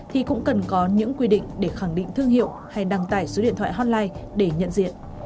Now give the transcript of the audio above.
thì cũng cần có những quy định để khẳng định thương hiệu hay đăng tải số điện thoại hotline để nhận diện